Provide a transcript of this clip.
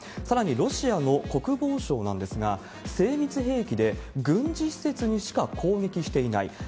さらに、ロシアの国防省なんですが、精密兵器で、軍事施設にしか攻撃していない。